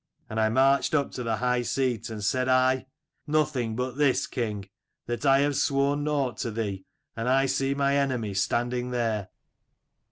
"And I marched up to the high seat, and said I, 'Nothing but this, king; that I have sworn nought to thee: and I see my enemy standing there.